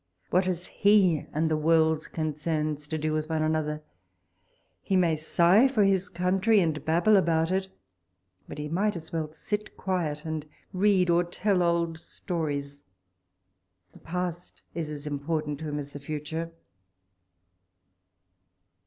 What has he and the world's concerns to do with one another =' He may sigh for his country, and babble about it ; but he might as well sit quiet and read or tell old stories ; the past is as important to him as the future.